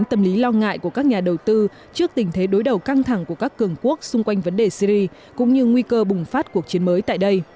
đồng đô la tiếp tục phản ánh tâm lý lo ngại của các nhà đầu tư trước tình thế đối đầu căng thẳng của các cường quốc xung quanh vấn đề syri cũng như nguy cơ bùng phát cuộc chiến mới tại đây